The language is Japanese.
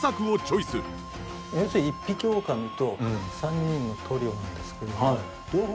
要するに一匹狼と３人のトリオなんですけれども。